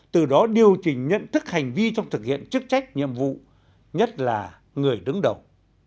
từ đó điều chỉnh nhận thức hành vi trong thực hiện chức trách nhiệm vụ nhất là người đứng đầu